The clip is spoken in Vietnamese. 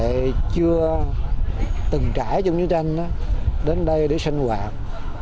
để chưa từng trải trong chiến tranh đến đây để sinh hoạt